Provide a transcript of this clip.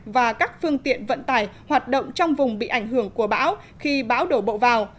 và các phương tiện vận tải hoạt động trong vùng bị ảnh hưởng của bão khi bão đổ bộ vào